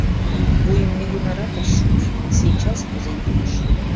Вуйым нигунарат ыш шупш, сейчас возен пуыш.